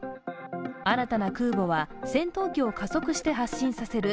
新たな空母は、戦闘機を加速して発進させる